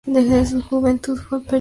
Desde su juventud fue periodista.